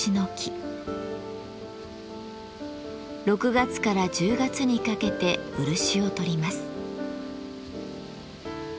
６月から１０月にかけて漆をとります。